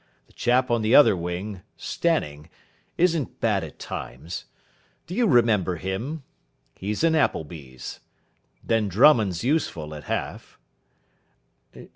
The chap on the other wing, Stanning, isn't bad at times. Do you remember him? He's in Appleby's. Then Drummond's useful at half."